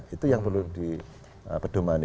itu yang perlu diperdomani